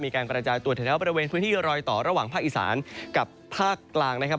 มีการกระจายตัวแถวบริเวณพื้นที่รอยต่อระหว่างภาคอีสานกับภาคกลางนะครับ